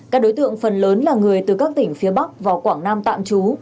các đối tượng phần lớn là người từ các tỉnh phía bắc vào quảng nam tạm trú